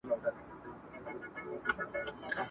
د امیر د بنديتوب خبر ور ورسېده.